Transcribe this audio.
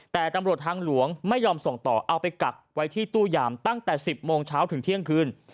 แต่ตำรวจทางหลวงไม่ยอมส่งต่อเอาไปกักไว้ที่ตู้ยามตั้งแต่๑๐โมงเช้าถึงเที่ยงคืน